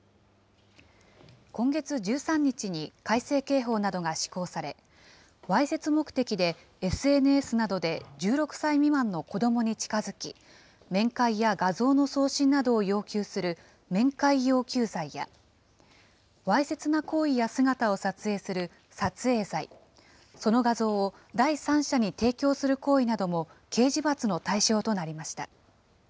今月１３日に改正刑法などが施行され、わいせつ目的でＳＮＳなどで１６歳未満の子どもに近づき、面会や画像の送信などを要求する面会要求罪や、わいせつな行為や姿を撮影する撮影罪、その画像を第三者に提供する行為なども刑事罰の対象となりました。